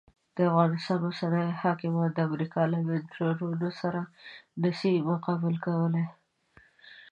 د افغانستان اوسني حاکمان د امریکا له منترونو سره نه سي مقابله کولای.